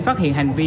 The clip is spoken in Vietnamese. phát hiện hành vi